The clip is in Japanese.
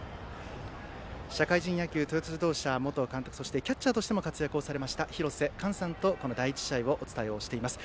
社会人野球トヨタ自動車元監督そしてキャッチャーとしても活躍されました廣瀬寛さんとこの第１試合をお伝えしています。